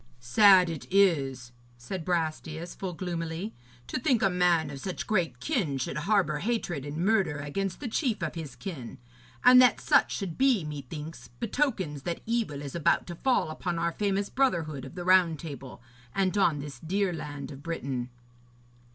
'Sad it is,' said Brastias full gloomily, 'to think a man of such great kin should harbour hatred and murder against the chief of his kin. And that such should be, methinks, betokens that evil is about to fall upon our famous brotherhood of the Round Table, and on this dear land of Britain.'